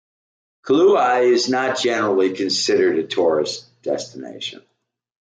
Kahului is not generally considered a tourist destination.